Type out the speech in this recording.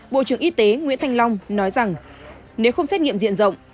bộ trưởng y tế nguyễn thanh long nói rằng nếu không xét nghiệm diện rộng